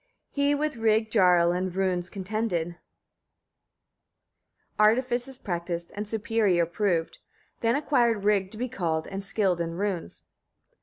42. He with Rig Jarl in runes contended, artifices practised, and superior proved; then acquired Rig to be called, and skilled in runes.